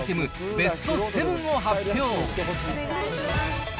ベスト７を発表。